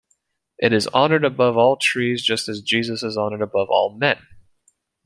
It is honoured above all trees just as Jesus is honoured above all men.